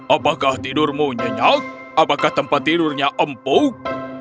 apakah tidurmu nyenyak apakah tempat tidurnya empuk